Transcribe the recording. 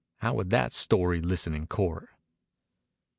How would that story listen in court?"